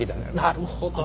なるほどね。